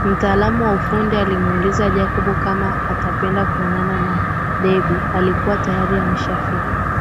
Mtaalamu wa ufundi alimuuliza Jacob kama atapenda kuonana na Debby alikuwa tayari ameshafika